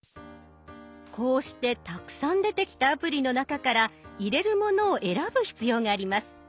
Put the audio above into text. こうしてたくさん出てきたアプリの中から入れるものを選ぶ必要があります。